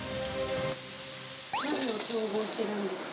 何を調合してるんですか。